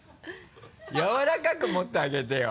やわらかく持ってあげてよ。